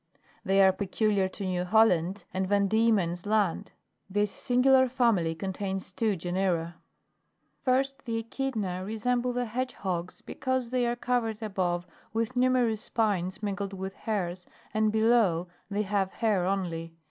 10. They are peculiar to New Holland and Van Dieman's land. This singular family contains two genera. 11. 1st. The ECHIDNA resemble the Hedgehogs, because they are covered above with numerous spines mingled with hairs, and below they have hair only.